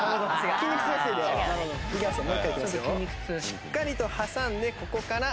しっかりと挟んでここから。